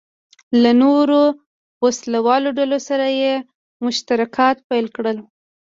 له نورو وسله والو ډلو سره یې مشترکات پیدا کړل.